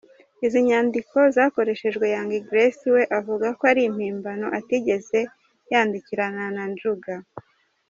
Izi nyandiko zakoreshejwe Young Grace we avuga ko ari impimbano atigeze yandikirana na Njuga.